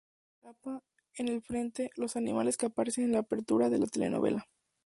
Capa: En el frente, los animales que aparecen en la abertura de la telenovela.